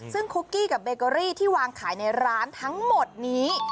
ซึ่งคุกกี้กับเบเกอรี่ที่วางขายในร้านทั้งหมดนี้